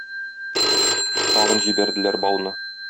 Тагын җибәрделәр бауны.